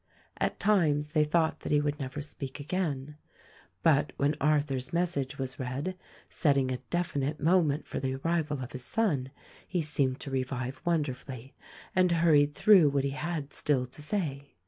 At times they thought that he would never speak again; but when Arthur's message was read, setting a definite moment for the arrival of his son, he seemed to revive wonderfully and hurried through what he had still to say.